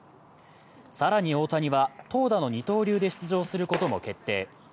更に大谷は投打の二刀流で出場することも決定。